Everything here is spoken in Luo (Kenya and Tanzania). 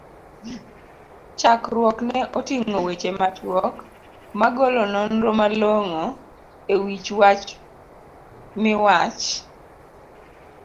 chakruokne oting'o weche machuok, magolo nonro malongo e wich wach miwach?